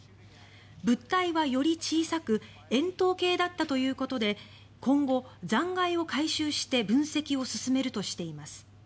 物体はより小さく円筒形だったということで今後、残骸を回収して分析を進めるとしています。